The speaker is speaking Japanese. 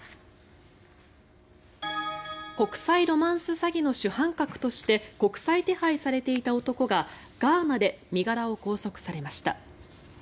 国際ロマンス詐欺の主犯格として国際手配されていた男がガーナで身柄を拘束されました。